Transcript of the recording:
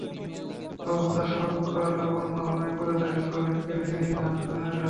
অবস্থা সংকটাপন্ন হওয়ায় পরে তাঁকে শহরের একটি ক্লিনিকে নিয়ে যান স্বজনেরা।